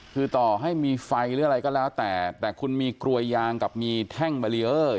คือต่อให้มีไฟหรืออะไรก็แล้วแต่แต่คุณมีกลวยยางกับมีแท่งบารีเออร์